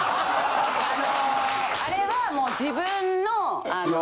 あれはもう自分のあの。